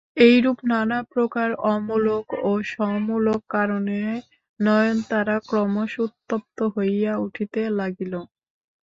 এইরূপ নানাপ্রকার অমূলক ও সমূলক কারণে নয়নতারা ক্রমশ উত্তপ্ত হইয়া উঠিতে লাগিল।